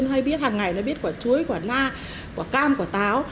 nó hay biết hằng ngày nó biết quả chuối quả na quả cam quả táo